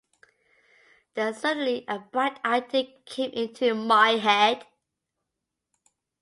Then suddenly a bright idea came into my head.